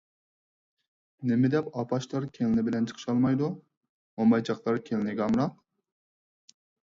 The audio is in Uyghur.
نېمىدەپ ئاپاشلار كېلىنى بىلەن چىقىشالمايدۇ؟ مومايچاقلار كېلىنگە ئامراق؟